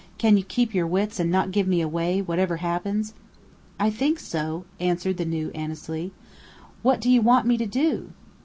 Can you keep your wits and not give me away, whatever happens?" "I think so," answered the new Annesley. "What do you want me to do?"